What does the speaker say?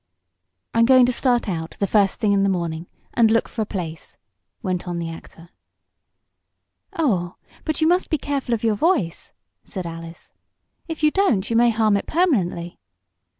"I'm going to start out, the first thing in the morning, and look for a place," went on the actor. "Oh, but you must be careful of your voice," said Alice. "If you don't you may harm it permanently."